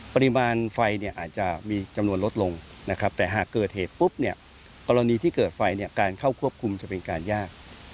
ปริมาณไฟอาจจะมีจำนวนลดลงแต่หากเกิดเหตุปุบมีการเข้าควบคุมอาจจะมีสิ่งที่มากกว่าทุกปี